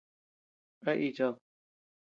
¿A ichad?